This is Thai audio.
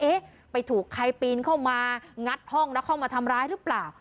เอ๊ะไปถูกใครปีนเข้ามางัดห้องแล้วเข้ามาทำร้ายหรือเปล่า